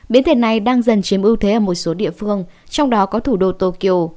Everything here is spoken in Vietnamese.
biến thể này đang dần chiếm ưu thế ở một số địa phương trong đó có thủ đô tokyo